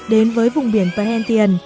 đến với vùng biển perhentian